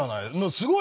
すごい。